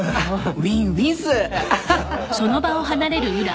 ウィンウィン。